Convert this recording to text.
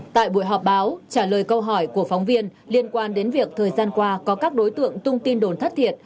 tại buổi họp báo trả lời câu hỏi của phóng viên liên quan đến việc thời gian qua có các đối tượng tung tin đồn thất thiệt